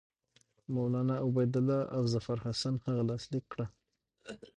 مولنا عبیدالله او ظفرحسن هغه لاسلیک کړه.